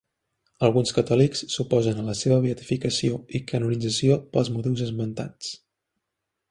Alguns catòlics s'oposen a la seva beatificació i canonització pels motius esmentats.